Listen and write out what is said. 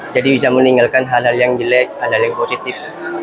jadi bisa meninggalkan hal hal yang jelek hal hal yang positif